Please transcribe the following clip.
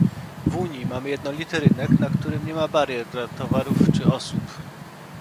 W Unii mamy jednolity rynek, na którym nie ma barier dla towarów czy osób